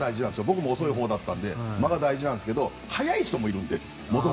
僕も遅いほうだったんですが間が大事なんですが早い人もいるので。